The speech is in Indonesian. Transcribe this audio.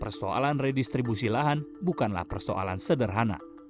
persoalan redistribusi lahan bukanlah persoalan sederhana